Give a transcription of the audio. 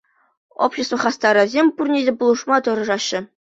Общество хастарӗсем пурне те пулӑшма тӑрӑшаҫҫӗ.